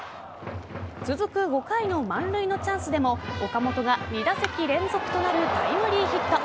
続く５回の満塁のチャンスでも岡本が２打席連続となるタイムリーヒット。